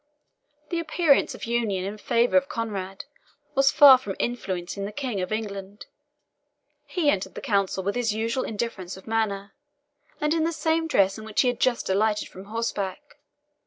This appearance of union in favour of Conrade was far from influencing the King of England. He entered the Council with his usual indifference of manner, and in the same dress in which he had just alighted from horseback.